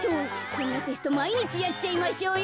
こんなテストまいにちやっちゃいましょうよ。